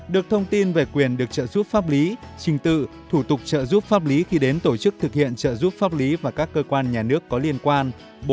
một được thông tin về quyền được trợ giúp pháp lý trình tự thủ tục trợ giúp pháp lý khi đến tổ chức thực hiện trợ giúp pháp lý và các cơ quan nhà nước có liên quan